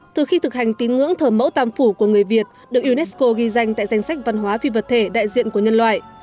từ khi thực hành tín ngưỡng thờ mẫu tam phủ của người việt được unesco ghi danh tại danh sách văn hóa phi vật thể đại diện của nhân loại